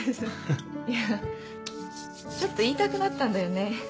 いやちょっと言いたくなったんだよね。